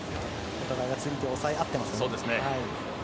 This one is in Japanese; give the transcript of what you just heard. お互いが釣り手を抑え合ってますね。